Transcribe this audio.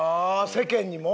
世間にも。